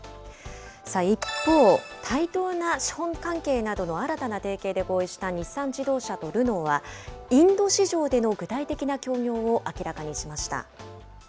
一方、対等な資本関係などの新たな提携で合意した日産自動車とルノーは、インド市場での具体的な協業を明らかにしました。